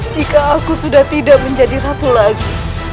jika aku sudah tidak menjadi ratu lagi